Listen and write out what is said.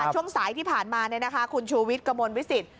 ช่วงสายที่ผ่านมาคุณชูวิทย์กระมวลวิสิต